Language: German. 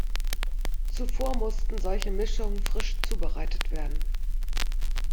Zuvor mussten solche Mischungen frisch zubereitet werden.